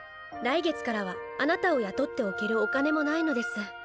来月からはあなたを雇っておけるお金もないのです。